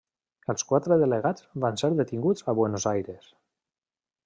Els quatre delegats van ser detinguts a Buenos Aires.